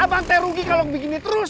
abang teh rugi kalau begini terus